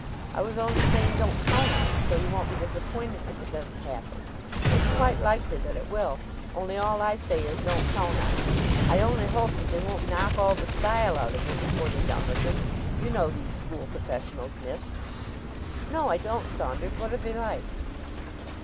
I was only saying don't count on it, so you won't be disappointed if it doesn't happen. It's quite likely that it will, only all I say is don't count on it. I only hope that they won't knock all the style out of him before they're done with him. You know these school professionals, miss." "No, I don't, Saunders. What are they like?"